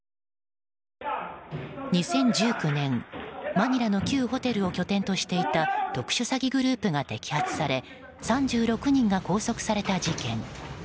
２０１９年、マニラの旧ホテルを拠点としていた特殊詐欺グループが摘発され３６人が拘束された事件。